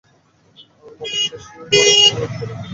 মানুষ শেষ বরফ যুগেও টিকে থাকতে পেরেছিল।